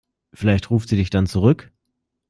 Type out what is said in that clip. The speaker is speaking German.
Vielleicht ruft sie dich dann zurück.